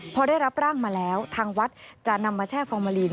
พอได้รับร่างมาแล้วทางวัดจะนำมาแช่ฟอร์มาลีน